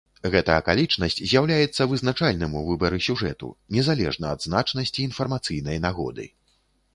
Гэта акалічнасць з'яўляецца вызначальным у выбары сюжэту, незалежна ад значнасці інфармацыйнай нагоды.